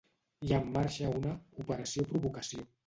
Hi ha en marxa una "operació provocació".